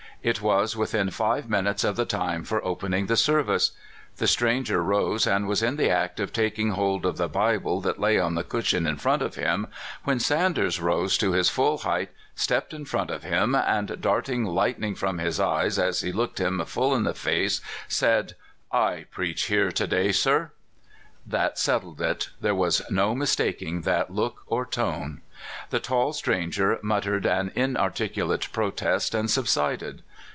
It was within five minutes of the time for opening the service. The stranger rose, and was in the act of taking hold of the Bible that lay on the cushion in front of him, when Sanders rose to his full height, stepped in front of him, and darting lightning from his eyes as he looked him full in the face, said : 232 CALIFORNIA SKETCHES. " I preach here to day, sir !" That settled it. There was no mistaking that look or tone. The tall stranger muttered an in articulate protest and subsided.